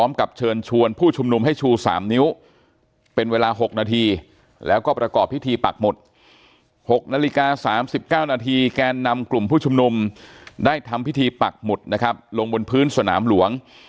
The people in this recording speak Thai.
สิบเก้านาทีแกนนำกลุ่มผู้ชุมนุมได้ทำพิธีปักหมุดนะครับลงบนพื้นสนามหลวง